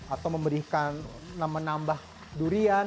atau memberikan menambah durian